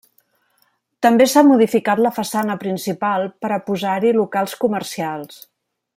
També s'ha modificat la façana principal per a posar-hi locals comercials.